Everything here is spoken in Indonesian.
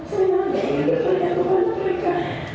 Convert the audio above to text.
saya nampaknya berpengalaman mereka